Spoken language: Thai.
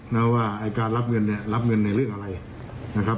นะว่าไอ้การรับเงินเนี่ยรับเงินในเรื่องอะไรนะครับ